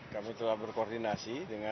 kamu telah berkoordinasi dengan